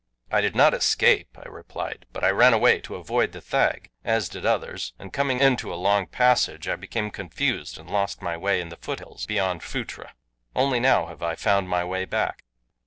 "I did not 'escape'," I replied. "I but ran away to avoid the thag, as did others, and coming into a long passage I became confused and lost my way in the foothills beyond Phutra. Only now have I found my way back."